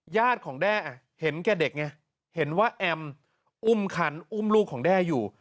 ญาติของแด้เห็นแก่เด็กไงเห็นว่าแอมอุ้มขันอุ้มลูกของแด้อยู่